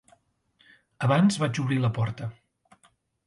Abans vaig obrir la porta.